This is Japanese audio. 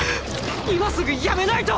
今すぐやめないと！！